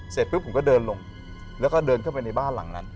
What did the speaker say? เสร็จปุ๊บผมก็เดินลงแล้วก็เดินเข้าไปในบ้านหลังนั้น